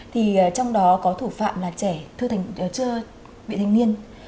thì trong đó có thủ phạm là trẻ chưa bị thanh niên